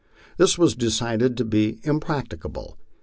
This was decided to be impracticable.